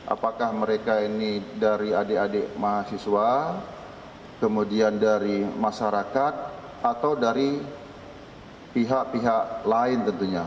apakah mereka ini dari adik adik mahasiswa kemudian dari masyarakat atau dari pihak pihak lain tentunya